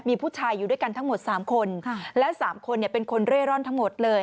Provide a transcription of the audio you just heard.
มีผู้ชายอยู่ด้วยกันทั้งหมด๓คนและ๓คนเป็นคนเร่ร่อนทั้งหมดเลย